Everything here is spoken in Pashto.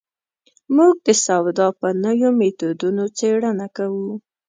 موږ د سودا په نویو مېتودونو څېړنه کوو.